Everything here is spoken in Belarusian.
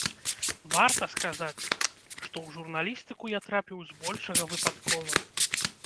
Варта сказаць, што ў журналістыку я трапіў збольшага выпадкова.